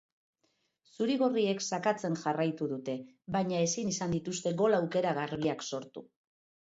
Zuri-gorriek sakatzen jarraitu dute, baina ezin izan dituzte gol aukera garbiak sortu.